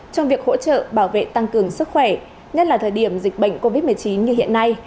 trong việc hỗ trợ bảo vệ tăng cường sức khỏe nhất là thời điểm dịch bệnh covid một mươi chín như hiện nay